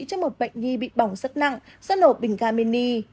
cho một bệnh nhi bị bỏng rất nặng do nổ bình ga mini